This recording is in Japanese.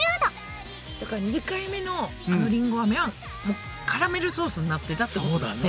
だから２回目のあのりんごアメはカラメルソースになってたってことだね。